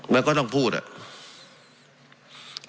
แล้วก็ต้องพูดอ่ะ